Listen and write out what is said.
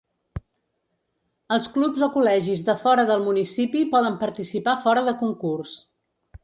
Els clubs o col·legis de fora del municipi poden participar fora de concurs.